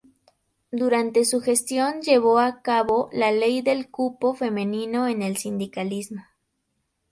Durante su gestión llevó a cabo la ley del cupo femenino en el sindicalismo.